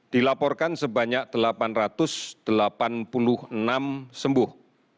dilaporkan sebanyak delapan ratus delapan puluh enam sembuh